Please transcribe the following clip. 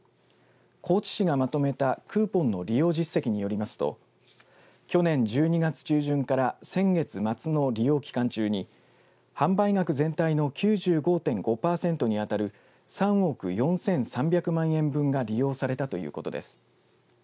高知市がまとめたクーポンの利用実績によりますと去年１２月中旬から先月末の利用期間中に、販売額全体の９５．５パーセントにあたる３億４３００万円分が利用されたということです。